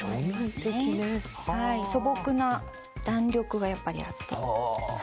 弾力がやっぱりあって。